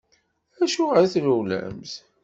Acuɣeṛ i trewlemt?